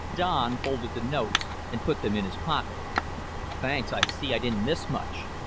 Don folded the notes and put them in his pocket. "Thanks. I see I didn't miss much.